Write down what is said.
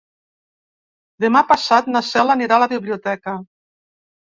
Demà passat na Cel anirà a la biblioteca.